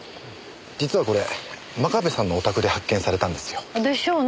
実はこれ真壁さんのお宅で発見されたんですよ。でしょうね。